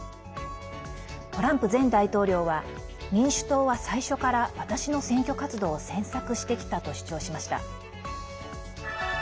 トランプ前大統領は民主党は最初から私の選挙活動を詮索してきたと主張しています。